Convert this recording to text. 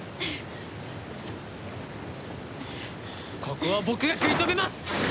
ここは僕が食い止めます！